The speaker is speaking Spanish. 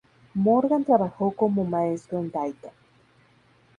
Morgan trabajó como maestro en Dayton.